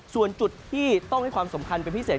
ส่วนจุดที่ต้องให้ความสำคัญเป็นพิเศษ